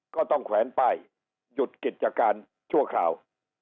ก็ต้องแขวนไปหยุดกิจการชั่วข่าว